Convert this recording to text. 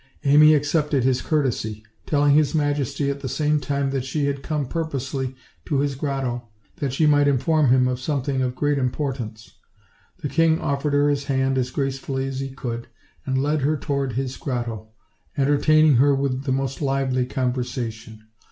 Amy accepted his courtesy, telling his majesty at the same time that she had come purposely to his grotto that she might inform him of something of great importance. The king offered her his hand as gracefully as he could, and led her toward his grotto, entertaining her with the most lively conversation.